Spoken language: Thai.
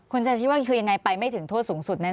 คุณชาคิดว่าคือยังไงไปไม่ถึงโทษสูงสุดแน่